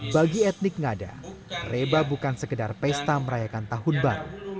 bagi etnik ngada reba bukan sekedar pesta merayakan tahun baru